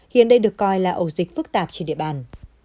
hiện đây được coi là ổ dịch phức tạp trên địa bàn